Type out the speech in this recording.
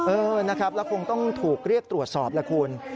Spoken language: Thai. เออนะครับแล้วคงต้องถูกเรียกตรวจสอบแล้วคุณ